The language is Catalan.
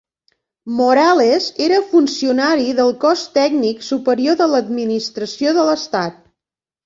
Morales era funcionari del cos tècnic superior de l'administració de l'Estat.